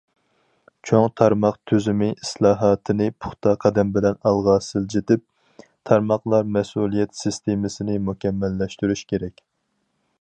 چوڭ تارماق تۈزۈمى ئىسلاھاتىنى پۇختا قەدەم بىلەن ئالغا سىلجىتىپ، تارماقلار مەسئۇلىيەت سىستېمىسىنى مۇكەممەللەشتۈرۈش كېرەك.